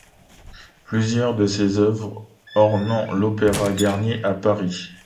Plusieurs de ses œuvres ornent l'Opéra Garnier à Paris.